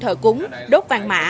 thờ cúng đốt vàng mã